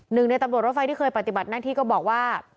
หนึ่งในตำรวจรถไฟที่เคยปฏิบัติหน้าที่ก็บอกว่า